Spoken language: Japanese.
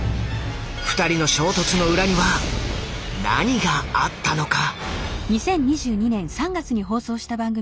二人の衝突の裏には何があったのか？